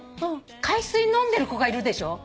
海水飲んでる子がいるでしょ？